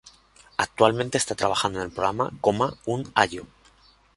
Actualmente está trabajando en el programa "Coma un allo".